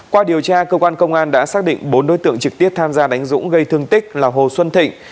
qua điều tra cơ quan công an đã xác định bốn đối tượng trực tiếp tham gia đánh dũng gây thương tích là hồ xuân thịnh